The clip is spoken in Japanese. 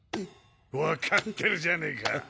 分かってるじゃねぇか